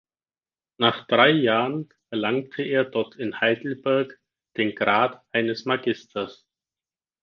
Nach drei Jahren erlangte er dort in Heidelberg den Grad eines Magisters.